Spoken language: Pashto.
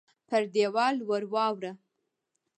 پر دېوال ورواړوه !